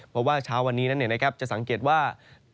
เพราะว่าเช้าวันนี้นั้นจะสังเกตว่า